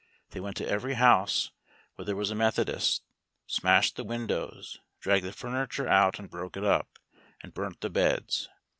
They went to every house where there was a Methodist, smashed the windows, dragged the furniture out and broke it up, and burnt the beds.